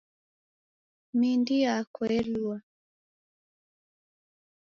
Mindi yako yalue.